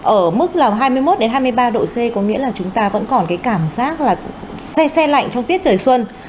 ở mức là hai mươi một hai mươi ba độ c có nghĩa là chúng ta vẫn còn cái cảm giác là say xe lạnh trong tiết trời xuân